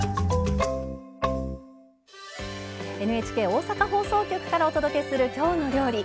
ＮＨＫ大阪放送局からお届けする「きょうの料理」